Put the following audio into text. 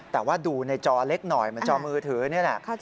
แต่ว่าดูในจอเล็กหน่อยเหมือนจอมือถือนี่แหละ